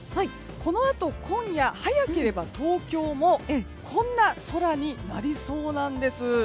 このあと今夜、早ければ東京もこんな空になりそうなんです。